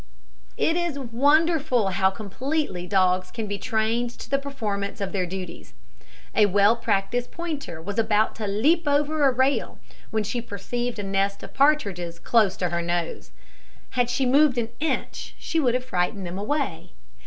It is wonderful how completely dogs can be trained to the performance of their duties. A well practised pointer was about to leap over a rail, when she perceived a nest of partridges close to her nose. Had she moved an inch she would have frightened them away.